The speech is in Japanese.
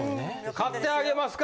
買ってあげますか？